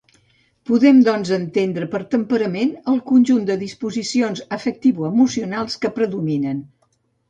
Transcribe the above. Podem, doncs, entendre per temperament el conjunt de disposicions afectivo-emocionals que predominen.